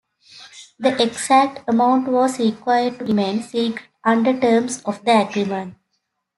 The exact amount was required to remain secret under terms of the agreement.